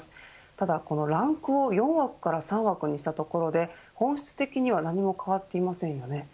ただこのランクを４枠から３枠にしたところで本質的には何も変わっていませんよね。